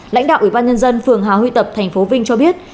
lãnh đạo ủy ban nhân dân phường hà huy tập thành phố vinh cho biết